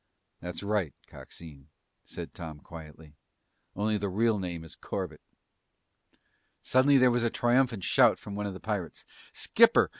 "That's right, Coxine," said Tom quietly, "only the real name is Corbett." Suddenly there was a triumphant shout from one of the pirates. "Skipper!